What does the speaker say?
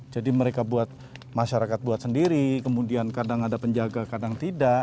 jadi mereka buat masyarakat buat sendiri kemudian kadang ada penjaga kadang tidak